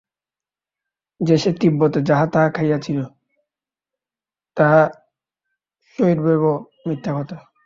সে যে তিব্বতে যাহা তাহা খাইয়াছিল, তাহা সর্বৈব মিথ্যা কথা।